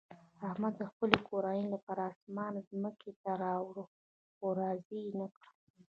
احمد د خپلې کورنۍ لپاره اسمان ځمکې ته راوړ، خو راضي یې نه کړه.